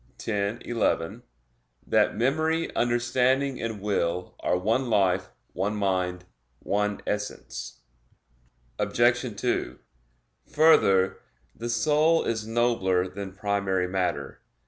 x, 11), that "memory, understanding, and will are one life, one mind, one essence." Obj. 2: Further, the soul is nobler than primary matter.